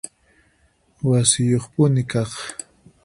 Wasiyuqpuni kaq